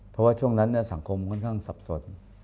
เป๋อช่วงนั้นสังคมค่อนข้างสับสด